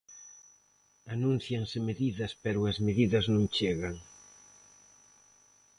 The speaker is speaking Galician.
Anúncianse medidas pero as medidas non chegan.